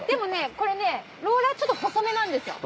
これねローラーちょっと細めなんですよ。